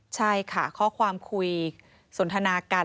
ใช่ค่ะข้อความคุยสนทนากัน